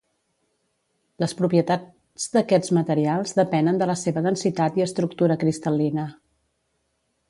Les propietats d'aquests materials depenen de la seva densitat i estructura cristal·lina.